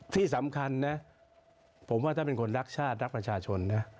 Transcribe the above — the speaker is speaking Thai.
ที่สำคัญนะผมว่าถ้าเป็นคนรักชาติรักประชาชนนะ